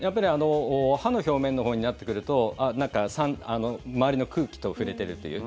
歯の表面のほうになってくると周りの空気と触れてるという。